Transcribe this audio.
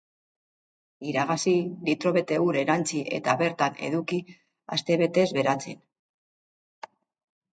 Iragazi, litro bete ur erantsi eta bertan eduki astebetez beratzen.